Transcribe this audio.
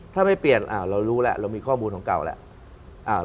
ถ้าไม่เปลี่ยนเรารู้แล้วเรามีข้อมูลของเก่าแล้ว